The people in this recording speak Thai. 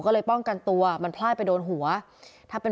ผมต้องตั้งใจหยิงผมหยิงกว่าแม่ก็